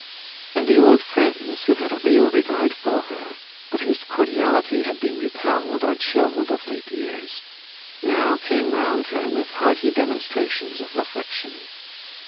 And the old friends who had a real regard for her, but whose cordiality had been repelled or chilled of late years, now came round her with hearty demonstrations of affection.